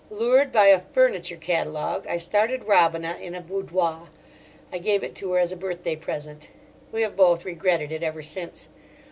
Lured by a furniture catalogue, I started Robina in a boudoir. I gave it to her as a birthday present. We have both regretted it ever since.